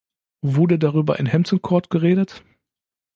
Wurde darüber in Hampton Court geredet?